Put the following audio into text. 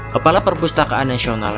kepala perpustakaan nasional